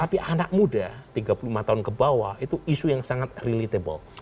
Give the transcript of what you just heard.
tapi anak muda tiga puluh lima tahun ke bawah itu isu yang sangat relatable